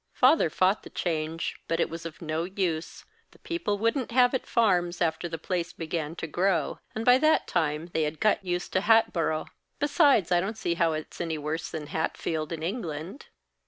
Father fought the change, but it was of no use; the people wouldn't have it Farms after the place began to grow; and by that time they had got used to Hatboro'. Besides, I don't see how it's any worse than Hatfield, in England."